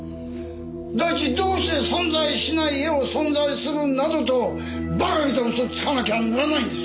第一どうして存在しない絵を存在するなどと馬鹿げた嘘をつかなきゃならないんです！